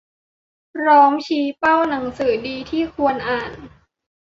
พร้อมชี้เป้าหนังสือดีที่ควรอ่าน